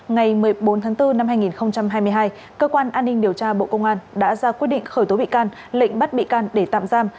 ngày một mươi bốn tháng bốn năm hai nghìn hai mươi hai cơ quan an ninh điều tra bộ công an đã ra quyết định khởi tố bị can lệnh bắt bị can để tạm giam